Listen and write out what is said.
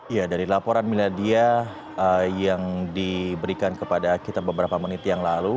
ya dari laporan miladia yang diberikan kepada kita beberapa menit yang lalu